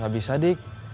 gak bisa dik